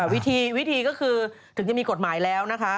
วิธีวิธีก็คือถึงจะมีกฎหมายแล้วนะคะ